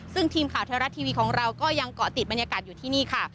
ซึ่งทีมข่าวไทยรัฐทีวีของเราก็ยังเกาะติดบรรยากาศอยู่ที่นี่ค่ะ